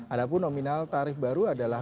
adapun nominal tarif baru adalah